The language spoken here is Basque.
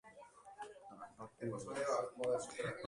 Nolakoa zen orduko giroa bertsolaritzan, telebistan eta euskal munduan?